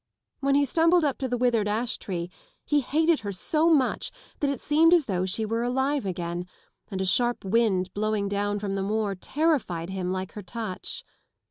When he stumbled up to the withered ash tree he hated her so much that it seemed as though she were alive again, and a sharp wind blowing down from the moor terrified him like her touch.